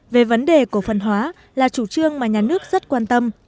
về vấn đề cổ phần hóa là chủ trương mà nhà nước rất quan tâm